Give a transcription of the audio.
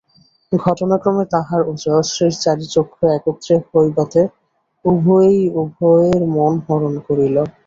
ঘটনাক্রমে তাহার ও জয়শ্রীর চারি চক্ষু একত্র হইবাতে উভয়েই উভয়ের মন হরণ করিল।